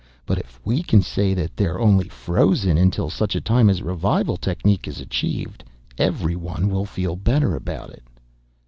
But if we can say that they're only frozen until such time as revival technique is achieved, everyone will feel better about it."